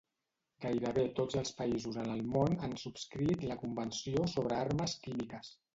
Gairebé tots els països en el món han subscrit la Convenció sobre Armes Químiques.